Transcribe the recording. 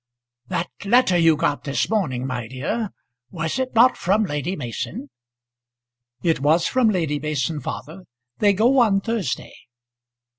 "That letter you got this morning, my dear, was it not from Lady Mason?" "It was from Lady Mason, father; they go on Thursday."